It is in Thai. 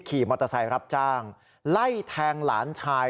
ขี่มอเตอร์ไซค์รับจ้างไล่แทงหลานชาย